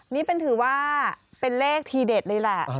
นี่ถือว่าเป็นเลขทีเด็ดเลยแหละ